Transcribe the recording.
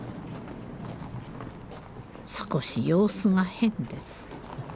少し様子が変です。